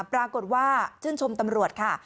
ปรากฏว่าชื่นชมตำรวจค่ะ